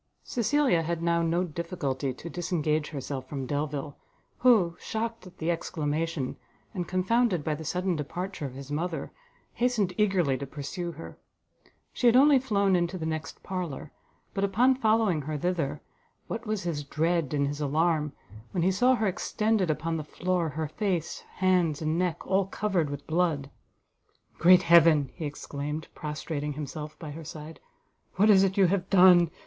Cecilia had now no difficulty to disengage herself from Delvile, who, shocked at the exclamation, and confounded by the sudden departure of his mother, hastened eagerly to pursue her: she had only flown into the next parlour; but, upon following her thither, what was his dread and his alarm, when he saw her extended, upon the floor, her face, hands and neck all covered with blood! "Great Heaven!" he exclaimed, prostrating himself by her side, "what is it you have done!